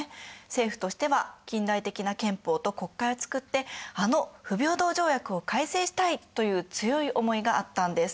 政府としては近代的な憲法と国会を作ってあの不平等条約を改正したいという強い思いがあったんです。